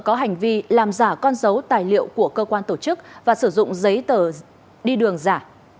có hành vi làm giả con dấu tài liệu của cơ quan tổ chức và sử dụng giấy tờ đi đường giả